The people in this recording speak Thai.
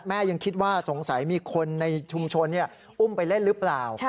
ยังคิดว่าสงสัยมีคนในชุมชนอุ้มไปเล่นหรือเปล่า